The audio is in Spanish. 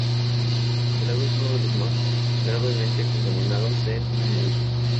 El lago es uno de los más gravemente contaminados en Hanói.